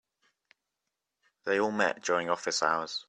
They all met during office hours.